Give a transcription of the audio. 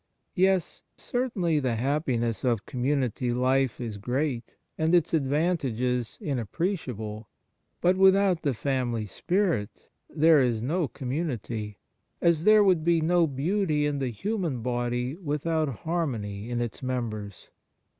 Yes, certainly the happiness of community life is great and its advantages inappreciable; but without the family spirit there is no com munity, as there would be no beauty in the human body without harmony in its members.